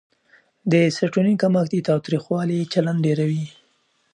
د سېرټونین کمښت د تاوتریخوالي چلند ډېروي.